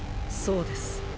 そうです。